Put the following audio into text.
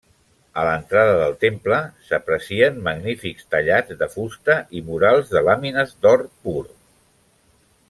A l'entrada del temple s'aprecien magnífics tallats de fusta i murals de làmines d'or pur.